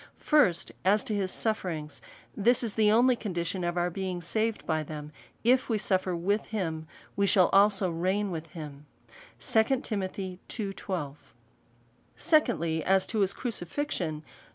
First, As to his sufferings, this is the only condition of our beini^ saved by them ; if '' we suffer with him, we shall also reign with him." Secondly, As to his crucifixion.